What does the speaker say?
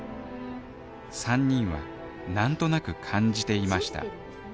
３人はなんとなく感じていました